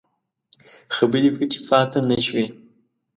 خبرې پټې پاته نه شوې.